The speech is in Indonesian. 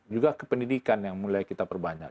juga ke pendidikan yang mulai kita perbanyak